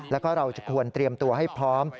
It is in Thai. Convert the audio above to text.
แล้วก็เราจะควรเตรียมตัวให้พร้อม